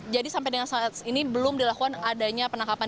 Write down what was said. jadi sampai dengan saat ini belum dilakukan adanya penangkapan